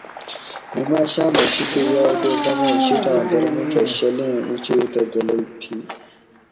نیماشامہ شیکہ یائ بردمو شیٹاۤں درموڄہ شلیں اوچیت اۤ دلئ تھی